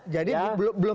jadi belum diketahui